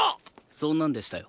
そんなんでしたよ。